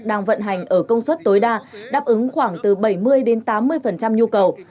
đang vận hành ở công suất tối đa đáp ứng khoảng từ bảy mươi tám mươi nhu cầu